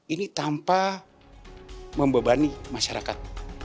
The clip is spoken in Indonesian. ini tanpa membebani masyarakat